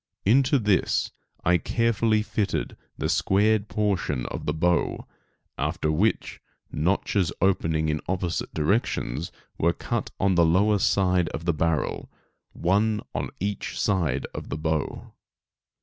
Into this I carefully fitted the squared portion of the bow, after which notches opening in opposite directions were cut on the lower side of the barrel, one on each side of the bow.